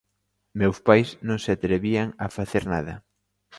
Meus pais non se atrevían a facer nada.